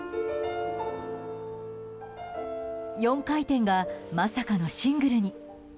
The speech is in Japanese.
４回転がまさかのシングルに。